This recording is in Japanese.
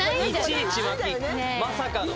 まさかの。